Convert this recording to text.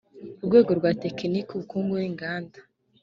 rwego rwa tekiniki ubukungu inganda